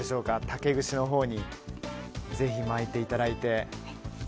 竹串のほうにぜひ巻いていただいて。